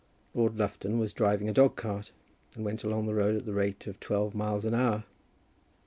Lord Lufton was driving a dog cart, and went along the road at the rate of twelve miles an hour.